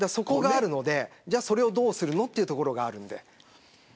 じゃあそれをどうするのというところがあるので。